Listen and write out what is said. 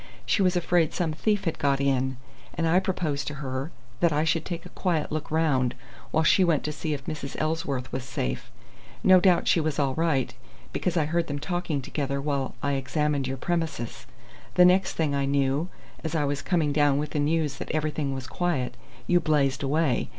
She was afraid some thief had got in, and I proposed to her that I should take a quiet look round while she went to see if Mrs. Ellsworth was safe. No doubt she was all right, because I heard them talking together while I examined your premises. The next thing I knew, as I was coming down with the news that everything was quiet, you blazed away.